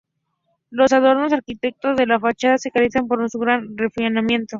Los adornos arquitectónicos de la fachada se caracterizan por su gran refinamiento.